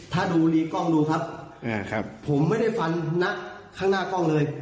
ถ้าดูดีกล้องดูครับผมไม่ได้ฟันนะข้างหน้ากล้องเลย